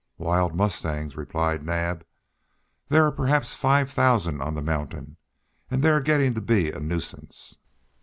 "Wild mustangs," replied Naab. "There are perhaps five thousand on the mountain, and they are getting to be a nuisance.